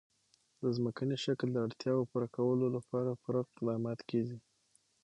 د ځمکني شکل د اړتیاوو پوره کولو لپاره پوره اقدامات کېږي.